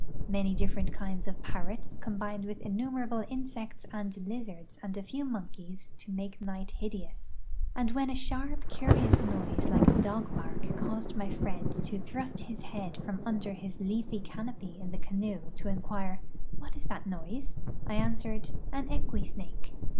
Many different kinds of parrots combined with innumerable insects and lizards and a few monkeys to make night hideous ; and when a sharj), curious noise like a dog bark caused my friend to thrust his head from under his leafy canopy in the canoe to inquire, " What is that noi.se?" I answered "An equi snake."